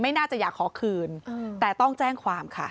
น่าจะอยากขอคืนแต่ต้องแจ้งความค่ะ